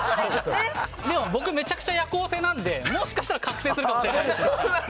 でも、僕はめちゃくちゃ夜行性なのでもしかしたら覚醒するかもしれない。